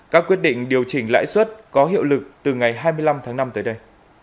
các quyết định điều chỉnh lãi suất có hiệu lực từ ngày hai mươi năm tháng năm tới đây